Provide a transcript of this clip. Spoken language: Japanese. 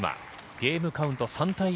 ゲームカウント３対１。